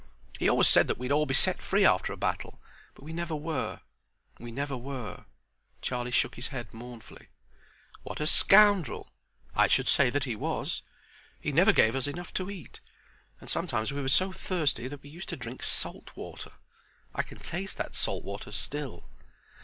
He always said that we'd all Be set free after a battle, but we never were; We never were." Charlie shook his head mournfully. "What a scoundrel!" "I should say he was. He never gave us enough to eat, and sometimes we were so thirsty that we used to drink salt water. I can taste that salt water still.''